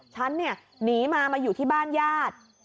ฉันเนี่ยหนีมามาอยู่ที่บ้านญาติ